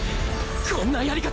こんなやり方。